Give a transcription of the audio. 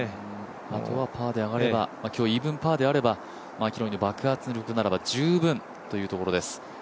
あとはパーで上がれば今日、イーブンパーであれば、マキロンの爆発力であれば、十分というところです。